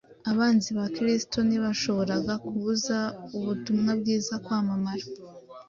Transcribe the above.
Abanzi ba Kristo ntibashoboraga kubuza ubutumwa bwiza kwamamara,